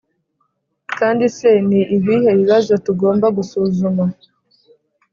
kandi se ni ibihe bibazo tugomba gusuzuma?